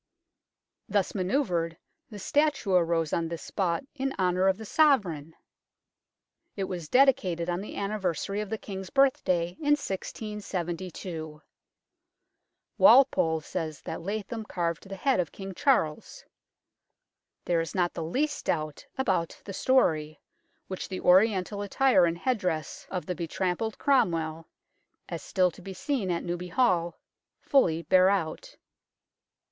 Thus manoeuvred, the statue arose on this spot in honour of the Sovereign ! It was dedicated on the anniversary of the King's birthday in 1672 ; Walpole says that Latham carved the head of King Charles. There is not the least doubt about the story, which the Oriental attire and headdress of the betrampled Cromwell, as still to be seen at Newby Hall, fully bear out.